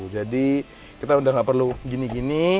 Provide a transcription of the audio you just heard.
jadi kita udah gak perlu gini gini